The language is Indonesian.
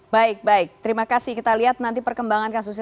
baik baik terima kasih kita lihat nanti perkembangan kasusnya